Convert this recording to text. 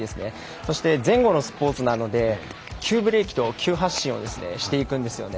そして、前後のスポーツなので急ブレーキと急発進をしていくんですよね。